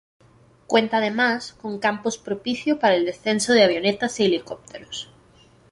Cuenta, además, con campos propicio para el descenso de avionetas y helicópteros.